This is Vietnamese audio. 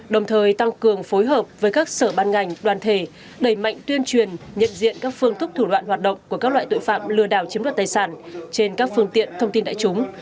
đồng thời tăng cường phối hợp với các sở ban ngành đoàn thể đẩy mạnh tuyên truyền nhận diện các phương thức thủ đoạn hoạt động của các loại tội phạm lừa đảo chiếm đoạt tài sản trên các phương tiện thông tin đại chúng